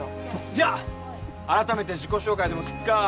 じゃあ改めて自己紹介でもすっかー